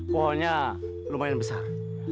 pohonnya lumayan besar